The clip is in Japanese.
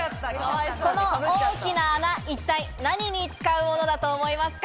この大きな穴、一体何に使うものだと思いますか？